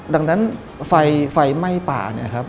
ดังนั้นไฟไหม้ป่า